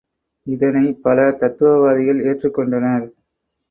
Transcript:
இதனைப் பல தத்துவவாதிகள் ஏற்றுக் கொண்டனர்.